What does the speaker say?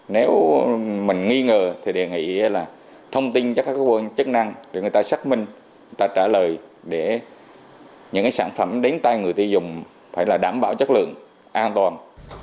nếu mình nghi ngờ thì đề nghị là thông tin cho các cơ quan chức năng để người ta xác minh người ta trả lời để những sản phẩm đến tay người tiêu dùng phải là đảm bảo chất lượng an toàn